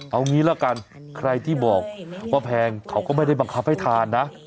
เอางี้ละกันใครที่บอกว่าแพงเขาก็ไม่ได้บังคับให้ทานนะ